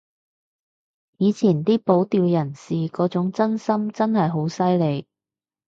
以前啲保釣人士嗰種真心真係好犀利